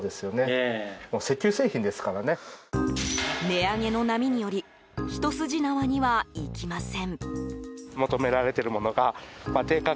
値上げの波により一筋縄にはいきません。